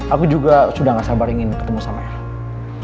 aku juga sudah gak sabar ingin ketemu sama ayah